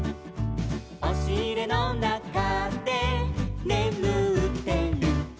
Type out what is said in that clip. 「おしいれのなかでねむってる」